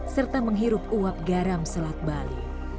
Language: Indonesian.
serta menghirup uap garam selat bali